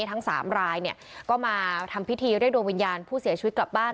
ทั้งสามรายเนี่ยก็มาทำพิธีเรียกดวงวิญญาณผู้เสียชีวิตกลับบ้าน